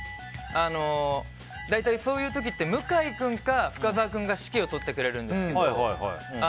大体そういう時って向井君か深澤君が指揮を執ってくれるんですけど。